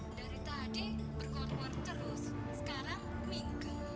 dari tadi berkompor terus sekarang minggu